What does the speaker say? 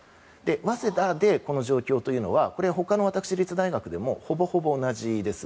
早稲田でこの状況というのは他の私立大学でもほぼほぼ同じです。